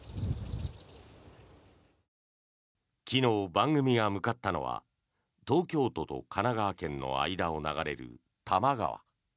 昨日、番組が向かったのは東京都と神奈川県の間を流れる多摩川。